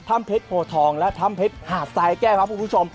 เพชรโพทองและถ้ำเพชรหาดทรายแก้วครับคุณผู้ชม